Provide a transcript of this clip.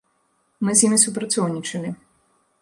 Мы з імі супрацоўнічалі.